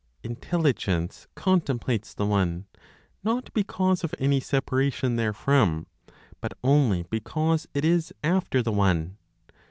Intelligence contemplates the One, not because of any separation therefrom, but only because it is after the One.